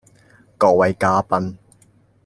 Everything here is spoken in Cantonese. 各位嘉賓